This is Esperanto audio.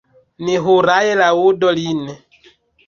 Ni hurae laŭdu lin!